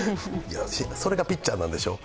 それがピッチャーなんでしょう？